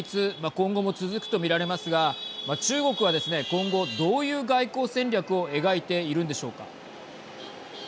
今後も続くと見られますが中国はですね、今後どういう外交戦略を描いているんでしょうか。